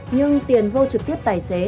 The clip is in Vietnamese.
nhưng tiền vô trực tiếp tài xế